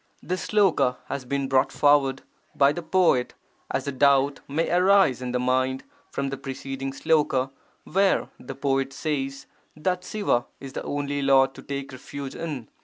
[This sloka has been brought forward by the poet as a doubt may arise in the mind from the preceding sloka where the poet says that Siva is the only Lord to take refuge in.